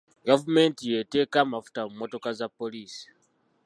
Gavumenti y'eteeka amafuta mu mmotoka za poliisi.